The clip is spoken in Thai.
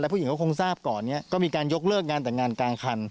ผู้หญิงก็คงทราบก่อนนี้ก็มีการยกเลิกงานแต่งงานกลางคัน